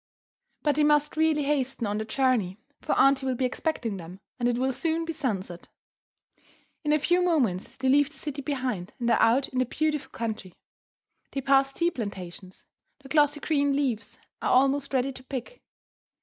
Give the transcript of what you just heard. But they must really hasten on their journey, for aunty will be expecting them, and it will soon be sunset. In a few moments they leave the city behind and are out in the beautiful country. They pass tea plantations. The glossy green leaves are almost ready to pick.